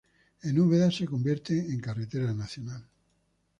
En Úbeda se convierte en carretera nacional.